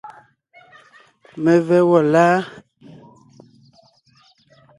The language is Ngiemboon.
Mevɛ́ gwɔ́ láa?